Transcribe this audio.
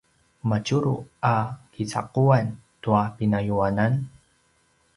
madjulu a kicaquan tua pinayuanan?